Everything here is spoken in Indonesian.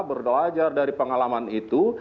berdoa aja dari pengalaman itu